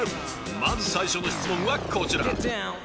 まず最初の質問はこちら。